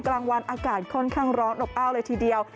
กลางวันอากาศค่อนข้างร้อนอบอ้าวเลยทีเดียว